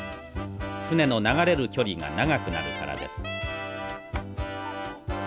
船の流れる距離が長くなるからです。